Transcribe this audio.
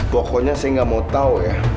pokoknya saya nggak mau tahu ya